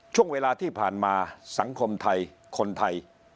ช่วงเวลาที่ผ่านมาสังคมไทยคนไทย